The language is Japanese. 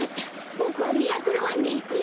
ボクはミラクルマンでいくよ！